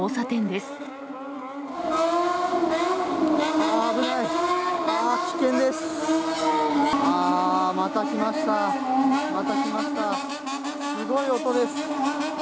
すごい音です。